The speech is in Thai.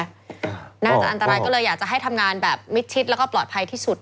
น่าจะอันตรายก็เลยอยากจะให้ทำงานแบบมิดชิดแล้วก็ปลอดภัยที่สุด